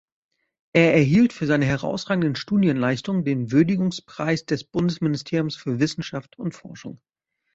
Er erhielt für seine herausragenden Studienleistungen den Würdigungspreis des Bundesministeriums für Wissenschaft und Forschung.